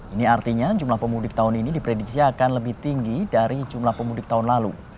ini artinya jumlah pemudik tahun ini diprediksi akan lebih tinggi dari jumlah pemudik tahun lalu